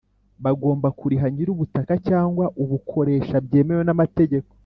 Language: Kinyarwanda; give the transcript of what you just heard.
Bagomba kuriha nyir’ubutaka cyangwa ubukoresha byemewe n’amategeko